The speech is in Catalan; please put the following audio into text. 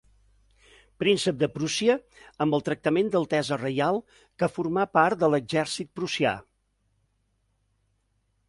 Príncep de Prússia amb el tractament d'altesa reial que formà part de l'exèrcit prussià.